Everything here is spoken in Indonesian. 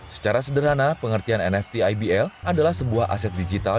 secara sederhana pengertian nft ibl adalah sebuah aset digital